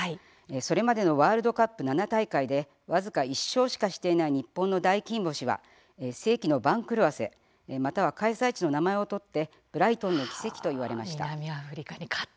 それまでのワールドカップ７大会で僅か１勝しかしていない日本の大金星は世紀の番狂わせまたは開催地の名前を取ってブライトンの奇跡と言われました。